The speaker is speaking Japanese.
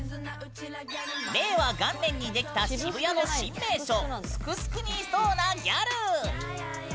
令和元年にできた渋谷の新名所スクスクにいそうなギャル！